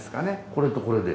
これとこれで？